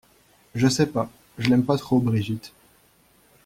Je sais pas, je l'aime pas trop Brigitte.